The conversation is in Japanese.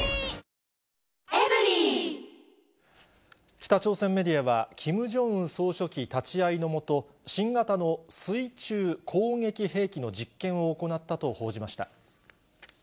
北朝鮮メディアは、キム・ジョンウン総書記立ち会いの下、新型の水中攻撃兵器の実験を行ったと報じました。